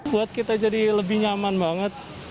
buat kita jadi lebih nyaman banget